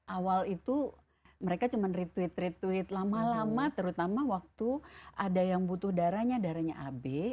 awal itu mereka cuma retweet retweet lama lama terutama waktu ada yang butuh darahnya darahnya ab